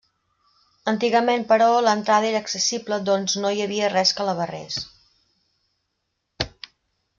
Antigament, però, l'entrada era accessible doncs no hi havia res que la barrés.